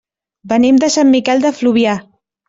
Venim de Sant Miquel de Fluvià.